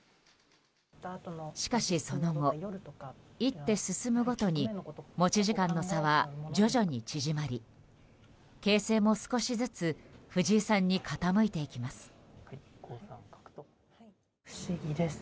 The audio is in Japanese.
しかし、その後一手進むごとに持ち時間の差は徐々に縮まり形勢も少しずつ藤井さんに傾いていきます。